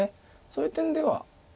そういう点では。